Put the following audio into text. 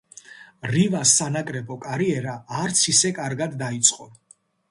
რივას სანაკრებო კარიერა არც ისე კარგად დაიწყო.